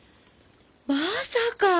まさか！